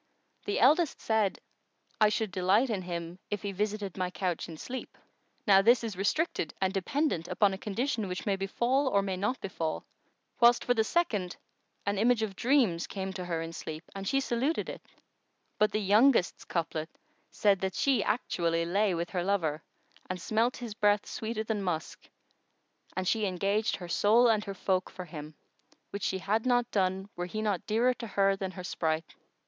the eldest said, 'I should delight in him, if he visited my couch in sleep.' Now this is restricted and dependent upon a condition which may befal or may not befal; whilst, for the second, an image of dreams came to her in sleep, and she saluted it; but the youngest's couplet said that she actually lay with her lover and smelt his breath sweeter than musk and she engaged her soul and her folk for him, which she had not done, were he not dearer to her than her sprite."